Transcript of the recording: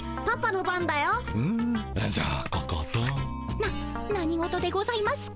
な何事でございますか？